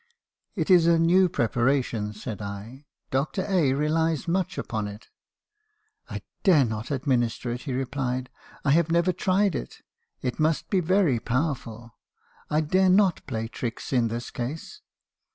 '"It is a new preparation,' said I. 'Dr. — relies much upon it.' "' I dare not administer it,' he replied. 'I have never tried it. It must be very powerful. I dare not play tricks in this case.'